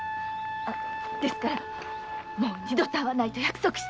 ですからもう二度と会わないと約束してください。